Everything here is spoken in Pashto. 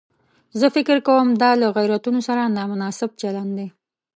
زه فکر کوم دا له غیرتونو سره نامناسب چلن دی.